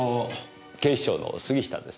警視庁の杉下です。